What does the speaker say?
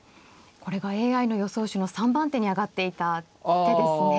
これがＡＩの予想手の３番手に挙がっていた手ですね。